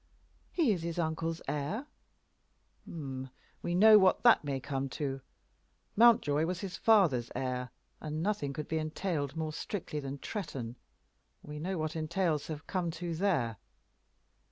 "He is his uncle's heir." "We know what that may come to. Mountjoy was his father's heir; and nothing could be entailed more strictly than Tretton. We know what entails have come to there.